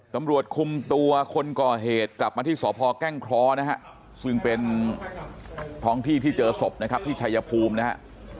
ตำรวจคุมตัวคนก่อเหตุกลับมาที่สพแก้งเคราะห์นะฮะซึ่งเป็นท้องที่ที่เจอศพนะครับที่ชายภูมินะฮะ